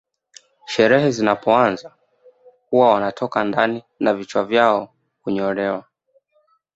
Sherehe zinapoanza huwa wanatoka ndani na vichwa vyao hunyolewa